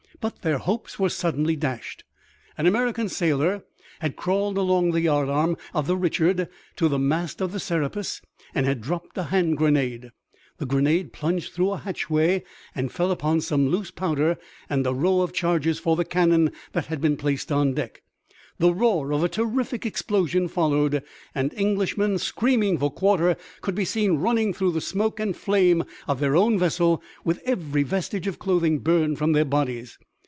But their hopes were suddenly dashed. An American sailor had crawled along the yardarm of the Richard to the mast of the Serapis and had dropped a hand grenade. The grenade plunged through a hatchway and fell upon some loose powder and a row of charges for the cannon that had been placed on deck. The roar of a terrific explosion followed, and Englishmen, screaming for quarter, could be seen running through the smoke and flame of their own vessel with every vestige of clothing burned from their bodies.